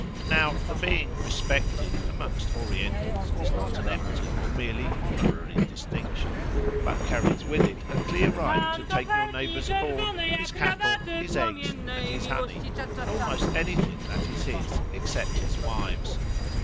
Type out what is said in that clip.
Now the being "respected" amongst Orientals is not an empty or merely honorary distinction, but carries with it a clear right to take your neighbour's corn, his cattle, his eggs, and his honey, and almost anything that is his, except his wives.